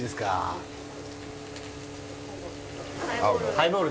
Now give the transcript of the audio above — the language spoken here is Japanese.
ハイボール。